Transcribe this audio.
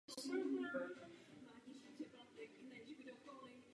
Bernard Katz se narodil v Lipsku do židovské rodiny ruského původu.